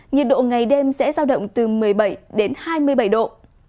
nhiệt độ ngày đêm sẽ giao động từ một mươi bảy đến hai mươi bảy độ